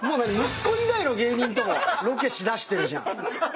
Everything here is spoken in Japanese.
息子以外の芸人ともロケしだしてるじゃん。